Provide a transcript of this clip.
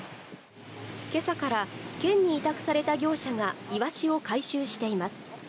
けさから県に委託された業者がイワシを回収しています。